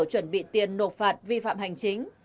chuẩn bị tiền nộp phạt vi phạm hành chính